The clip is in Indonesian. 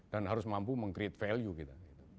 dan harus mampu menge create value kita